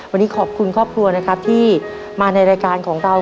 วันนี้ขอบคุณครอบครัวนะครับที่มาในรายการของเรา